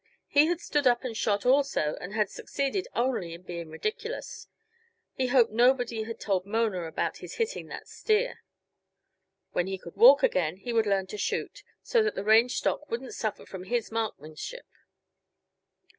He had stood up and shot, also and had succeeded only in being ridiculous; he hoped nobody had told Mona about his hitting that steer. When he could walk again he would learn to shoot, so that the range stock wouldn't suffer from his marksmanship.